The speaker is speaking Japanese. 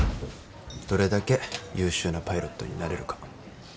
どれだけ優秀なパイロットになれるか。